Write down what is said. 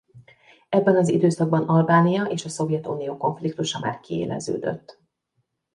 Ebben az időszakban Albánia és a Szovjetunió konfliktusa már kiéleződött.